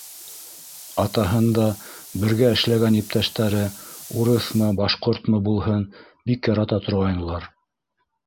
Атаһын да бергә эшләгән иптәштәре, урыҫмы, башҡортмо булһын, бик ярата торғайнылар.